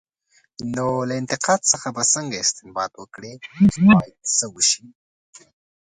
نو له انتقاد څخه به څنګه استنباط وکړي، چې باید څه وشي؟